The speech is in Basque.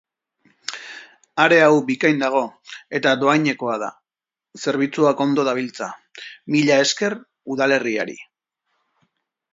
Area hau bikain dago eta dohainekoa da. Zerbitzuak ondo dabiltza. Mila esker udalerriari.